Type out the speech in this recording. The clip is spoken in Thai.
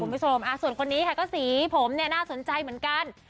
คุณผู้ชมส่วนคนนี้ค่ะก็สีผมเนี่ยน่าสนใจเหมือนกัน